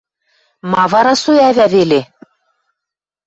Ма вара со ӓвӓ веле?